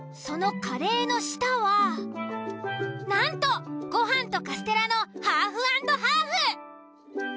そのカレーの下はなんとご飯とカステラのハーフ＆ハーフ。